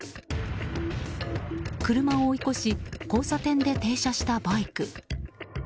車を追い越し交差点で停車したバイク。